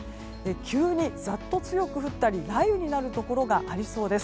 急にざっと強く降ったり雷雨になるところがありそうです。